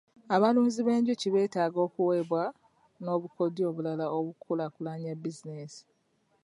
Abalunzi b'enjuki beetaaga okuweebwa n'obukodyo obulala okukulaakulanya bizinensi.